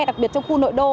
đặc biệt trong khu nội đô